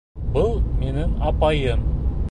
Был минең апайым